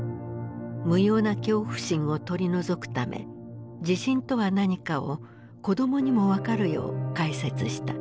無用な恐怖心を取り除くため地震とは何かを子どもにも分かるよう解説した。